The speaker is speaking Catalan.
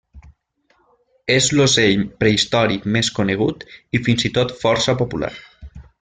És l'ocell prehistòric més conegut, i fins i tot força popular.